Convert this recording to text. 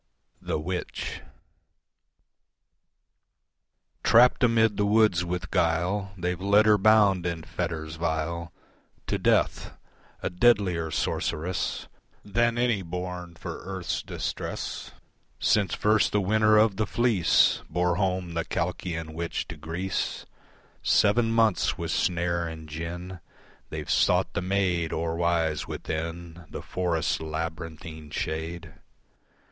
The Witch Trapped amid the woods with guile They've led her bound in fetters vile To death, a deadlier sorceress Than any born for earth's distress Since first the winner of the fleece Bore home the Colchian witch to Greece Seven months with snare and gin They've sought the maid o'erwise within The forest's labyrinthine shade.